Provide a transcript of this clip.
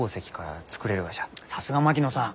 さすが槙野さん。